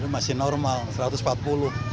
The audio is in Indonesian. masih normal rp satu ratus empat puluh